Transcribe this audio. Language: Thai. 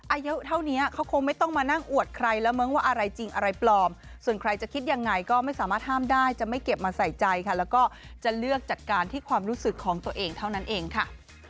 อายุเท่านี้เขาคงไม่ต้องมานั่งอวดใครแล้วมั้งว่าอะไรจริงอะไรปลอมส่วนใครจะคิดยังไงก็ไม่สามารถห้ามได้จะไม่เก็บมาใส่ใจค่ะแล้วก็จะเลือกจัดการที่ความรู้สึกของตัวเองเท่านั้นเองค่ะ